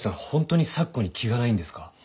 本当に咲子に気がないんですか？